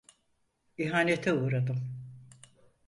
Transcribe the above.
İhanete uğradım.